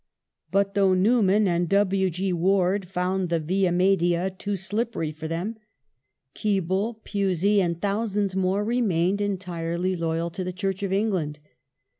But though Newman and W. G. Ward found the Via Media too slippery for them, Keble, Pusey, and thousands more, remained entirely loyal to the Church of England.